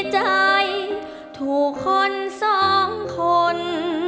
ใจถูกคนสองคน